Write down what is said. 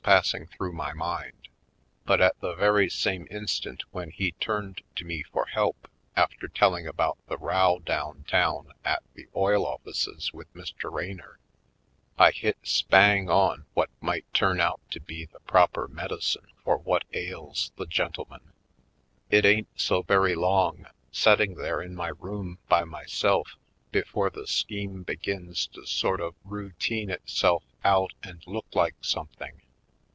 Poindexter^ Colored passing through my mind, but at the very same instant when he turned to me for help after telling about the row down town at the oil offices with Mr. Raynor, I hit spang on what might turn out to be proper medi cine for what ails the gentleman. It ain't so very long, setting there in my room by myself, before the scheme begins to sort of routine itself out and look like something.